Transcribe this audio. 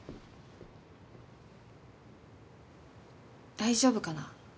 大丈夫かな？